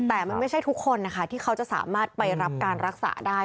แต่มันไม่ใช่ทุกคนนะคะที่เขาจะสามารถไปรับการรักษาได้